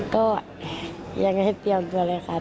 ก็ยังให้เตรียมตัวเลยค่ะ